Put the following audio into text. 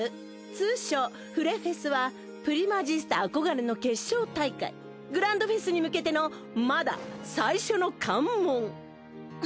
通称フレフェスはプリマジスタ憧れの決勝大会グランドフェスに向けてのまだ最初の関門！